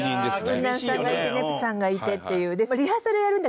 ウンナンさんがいてネプさんがいてっていう。